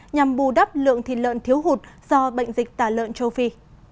nhằm bù đắp lượng thịt lợn thiếu hụt do bệnh dịch tả lợn châu phi